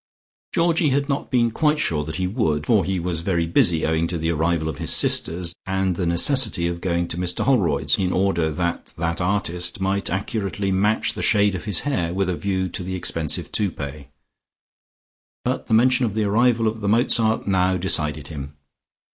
Georgie had not been quite sure that he would (for he was very busy owing to the arrival of his sisters, and the necessity of going to Mr Holroyd's, in order that that artist might accurately match the shade of his hair with a view to the expensive toupet), but the mention of the arrival of the Mozart now decided him.